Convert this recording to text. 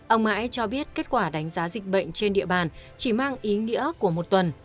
ông mãi cho biết kết quả đánh giá dịch bệnh trên địa bàn chỉ mang ý nghĩa của một tuần